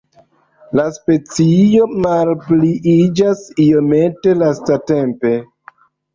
La specio malpliiĝas iomete lastatempe.